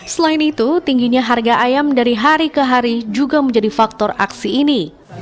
selain itu tingginya harga ayam dari hari ke hari juga menjadi faktor aksi ini